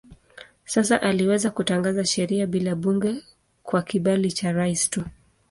Sasa aliweza kutangaza sheria bila bunge kwa kibali cha rais tu.